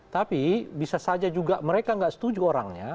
tapi bisa saja juga mereka nggak setuju orangnya